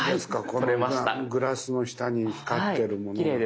このグラスの下に光ってるものが。